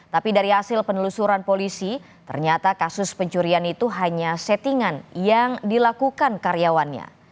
tapi dari hasil penelusuran polisi ternyata kasus pencurian itu hanya settingan yang dilakukan karyawannya